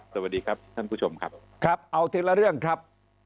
สวัสดีครับท่านผู้ชมครับครับเอาทีละเรื่องครับ